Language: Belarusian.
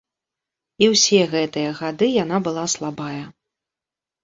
І ўсе гэтыя гады яна была слабая.